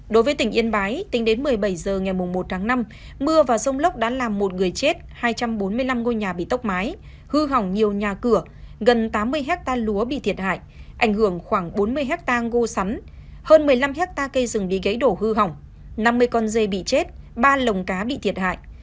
đối với tỉnh yên bái tính đến một mươi bảy h ngày một tháng năm mưa và rông lốc đã làm một người chết hai trăm bốn mươi năm ngôi nhà bị tốc mái hư hỏng nhiều nhà cửa gần tám mươi hectare lúa bị thiệt hại ảnh hưởng khoảng bốn mươi hectare ngô sắn hơn một mươi năm hectare cây rừng bị gãy đổ hư hỏng năm mươi con dê bị chết ba lồng cá bị thiệt hại